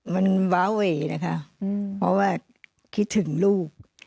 มันวาเวนะคะเพราะว่าคิดถึงลูก